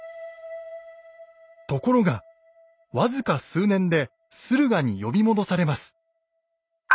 ところが僅か数年で駿河に呼び戻されます。